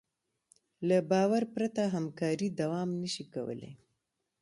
له باور پرته همکاري دوام نهشي کولی.